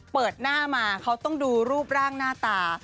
เปิดหน้ามาเขาต้องดูรูปร่างหน้าตา